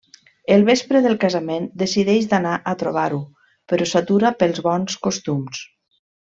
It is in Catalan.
El vespre del casament decideix d'anar a trobar-ho però s'atura pels bons costums.